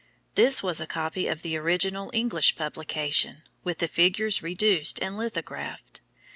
This was a copy of the original English publication, with the figures reduced and lithographed.